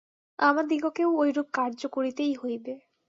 আমাদিগকেও ঐরূপ কার্য করিতেই হইবে।